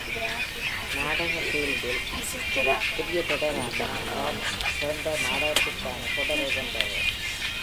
நாடக ஃபீல்டில், புதிய தொடரான "லாஸ்ட்" சிறந்த நாடகத்திற்கான தொடரை வென்றது.